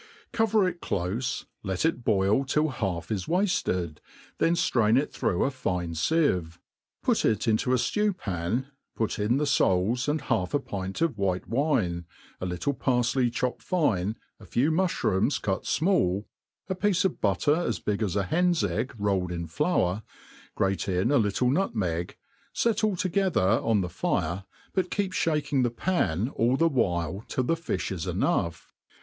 Cover it clofe, let it boil till half is wafted, then ftrain it through a fine fieve, put it into a ftew*paii, put in the (bala and half a pint of White wine, a little parfley chopped fine, a ttvi muftrooms cut fmall, a piece of butter as big as a hen's egg rolled in flour, grate in a little nutmeg, fet all together on the fire, but keep fliaking the pan all the while till the fiih is enough.